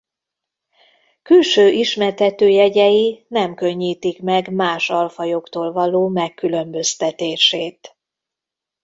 Külső ismertetőjegyei nem könnyítik meg más alfajoktól való megkülönböztetését.